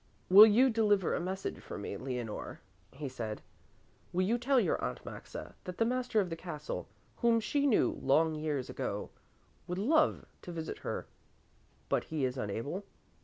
"Will you deliver a message for me, Leonore?" he said; "will you tell your Aunt Maxa that the master of the castle, whom she knew long years ago, would love to visit her, but he is unable?